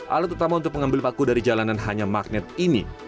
alat utama untuk mengambil paku dari jalanan hanya magnet ini